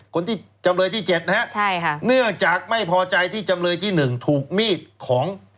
คนที่จำเลยที่เจ็ดนะฮะใช่ค่ะเนื่องจากไม่พอใจที่จำเลยที่หนึ่งถูกมีดของ